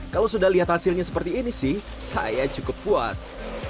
kalau sudah lihat hasilnya seperti ini sih saya cukup puas